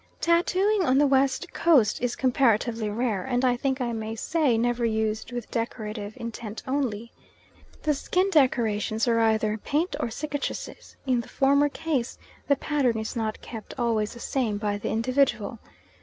Tattooing on the West Coast is comparatively rare, and I think I may say never used with decorative intent only. The skin decorations are either paint or cicatrices in the former case the pattern is not kept always the same by the individual.